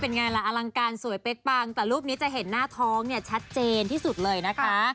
ไงล่ะอลังการสวยเป๊กปังแต่รูปนี้จะเห็นหน้าท้องเนี่ยชัดเจนที่สุดเลยนะคะ